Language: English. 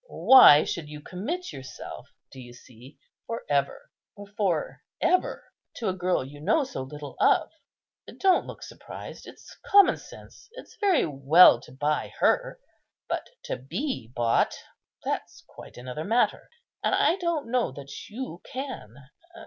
Why should you commit yourself (do you see?) for ever, for ever, to a girl you know so little of? Don't look surprised: it's common sense. It's very well to buy her; but to be bought, that's quite another matter. And I don't know that you can.